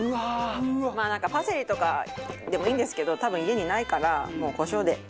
まあなんかパセリとかでもいいんですけど多分家にないからもうコショウで。